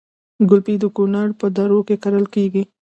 ګلپي د کونړ په درو کې کرل کیږي